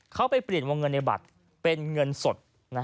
เขาไปเปลี่ยนวงเงินในบัตรเป็นเงินสด